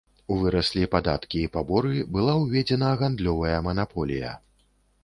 Выраслі падаткі і паборы, была ўведзена гандлёвая манаполія.